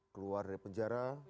keluar dari penjara